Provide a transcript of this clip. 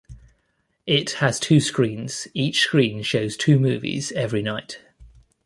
It has two screens; each screen shows two movies every night.